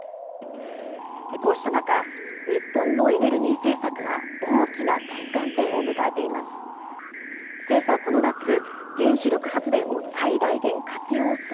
こうした中、日本のエネルギー政策が大きな転換点を迎えています。